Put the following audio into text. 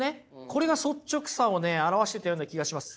これが率直さをね表してたような気がします。